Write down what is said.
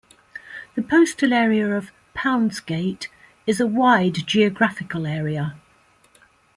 The postal area of "Poundsgate" is a wide geographical area.